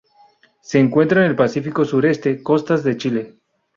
Se encuentra en el Pacífico sureste, costas de Chile.